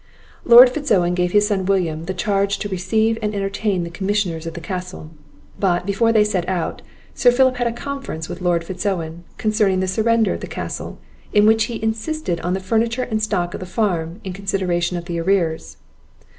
Lord Fitz Owen gave his son William the charge to receive and entertain the commissioners at the castle; But, before they set out, Sir Philip had a conference with Lord Fitz Owen, concerning the surrender of the castle; in which he insisted on the furniture and stock of the farm, in consideration of the arrears.